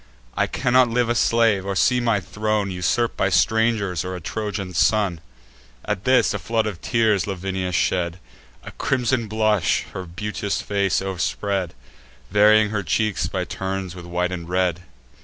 I cannot live a slave, or see my throne Usurp'd by strangers or a Trojan son." At this, a flood of tears Lavinia shed; A crimson blush her beauteous face o'erspread, Varying her cheeks by turns with white and red.